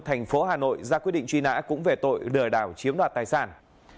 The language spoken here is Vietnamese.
thành phố hà nội ra quyết định truy nã cũng về tội lừa đảo chiếm đoạt tài sản